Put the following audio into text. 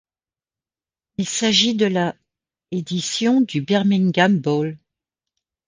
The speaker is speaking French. Il s'agit de la édition du Birmingham Bowl.